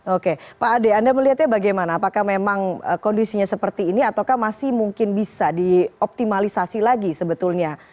oke pak ade anda melihatnya bagaimana apakah memang kondisinya seperti ini ataukah masih mungkin bisa dioptimalisasi lagi sebetulnya